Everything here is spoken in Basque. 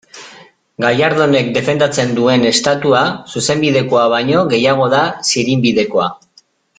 Gallardonek defendatzen duen Estatua, zuzenbidekoa baino, gehiago da zirinbidekoa.